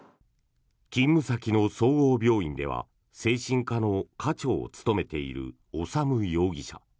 勤務先の総合病院では精神科の科長を務めている修容疑者。